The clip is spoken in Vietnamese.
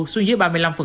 xuân dưới ba mươi năm